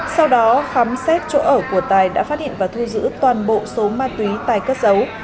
sau đó khám xét chỗ ở của tài đã phát hiện và thu giữ toàn bộ số ma túy tài cất giấu